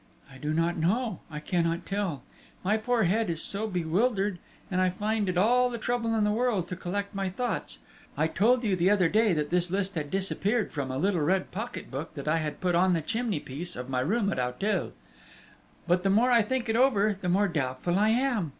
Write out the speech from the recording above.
"I do not know, I cannot tell! My poor head is so bewildered, and I find it all the trouble in the world to collect my thoughts. I told you, the other day, that this list had disappeared from a little red pocket book, that I had put on the chimney piece of my room at Auteuil. But the more I think it over, the more doubtful I am....